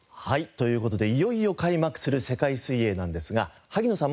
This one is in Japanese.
という事でいよいよ開幕する世界水泳なんですが萩野さん